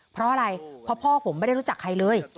เพราะอะไรเพราะพ่อผมไม่ได้รู้จักใครเลย